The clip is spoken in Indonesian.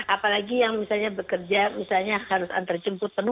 apalagi yang misalnya bekerja misalnya harus antar jemput penuh